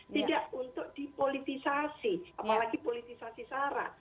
tidak untuk dipolitisasi apalagi politisasi sarah